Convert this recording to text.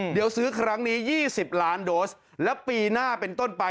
เดี๋ยวซื้อครั้งนี้๒๐ล้านโดสแล้วปีหน้าเป็นต้นไป